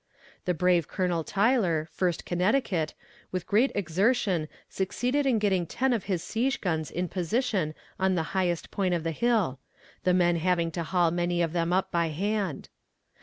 The brave Colonel Tyler, First Connecticut, with great exertion succeeded in getting ten of his siege guns in position on the highest point of the hill; the men having to haul many of them up by hand.